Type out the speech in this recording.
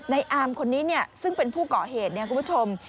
อามคนนี้ซึ่งเป็นผู้ก่อเหตุเนี่ยคุณผู้ชม